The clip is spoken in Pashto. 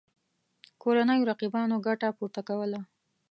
کورنیو رقیبانو ګټه پورته کوله.